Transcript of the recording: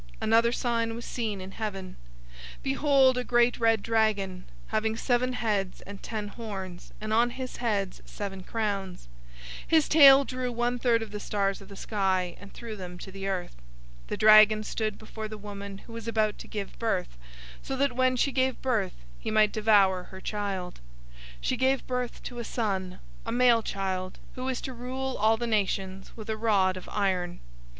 012:003 Another sign was seen in heaven. Behold, a great red dragon, having seven heads and ten horns, and on his heads seven crowns. 012:004 His tail drew one third of the stars of the sky, and threw them to the earth. The dragon stood before the woman who was about to give birth, so that when she gave birth he might devour her child. 012:005 She gave birth to a son, a male child, who is to rule all the nations with a rod of iron.